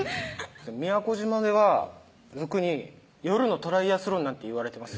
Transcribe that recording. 宮古島では俗に夜のトライアスロンなんていわれてます